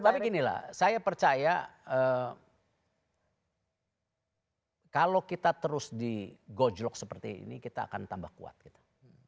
tapi ginilah saya percaya kalau kita terus digojlok seperti ini kita akan tambah kuat kita